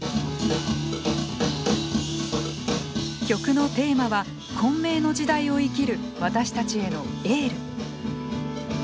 曲のテーマは混迷の時代を生きる私たちへのエール。